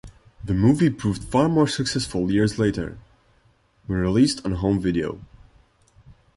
The movie proved far more successful years later, when released on home video.